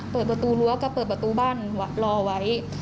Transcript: เปิดประตูรั้วก็เปิดประตูบ้านรอไว้